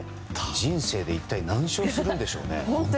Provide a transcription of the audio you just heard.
人生で一体何勝するんでしょうね。